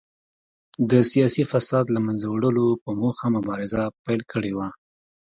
د سیاسي فساد له منځه وړلو په موخه مبارزه پیل کړې وه.